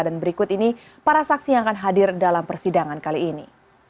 dan berikut ini para saksi yang akan hadir dalam persidangan kali ini